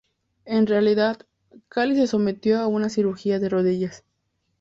En realidad, Khali se sometió a una cirugía de rodillas.